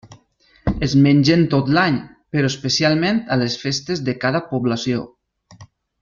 Es mengen tot l'any però especialment a les festes de cada població.